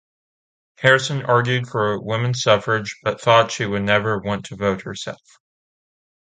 Harrison argued for women's suffrage but thought she would never want to vote herself.